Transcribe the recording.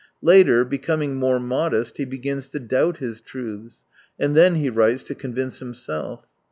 Later, be coming more modest, he begins to doubt his truths : and then he writes to convince himself.